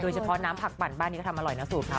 เฉพาะน้ำผักปั่นบ้านนี้ก็ทำอร่อยนะสูตรค่ะ